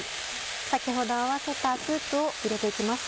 先ほど合わせたスープを入れて行きます。